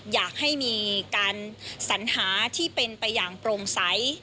อยากให้มีการสัญหาที่เป็นไปอย่างโปร่งใส